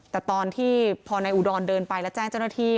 แต่ตอนที่พอนายอุดรเดินไปแล้วแจ้งเจ้าหน้าที่